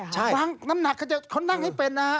ฟังน้ำหนักเขานั่งให้เป็นนะฮะ